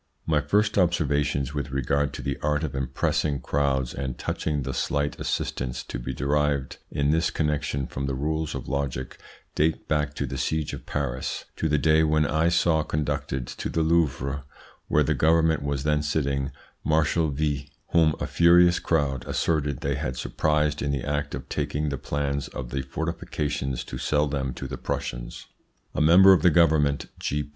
My first observations with regard to the art of impressing crowds and touching the slight assistance to be derived in this connection from the rules of logic date back to the seige of Paris, to the day when I saw conducted to the Louvre, where the Government was then sitting, Marshal V , whom a furious crowd asserted they had surprised in the act of taking the plans of the fortifications to sell them to the Prussians. A member of the Government (G.